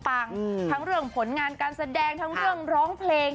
ทั้งเรื่องผลงานการแสดงทั้งเรื่องร้องเพลง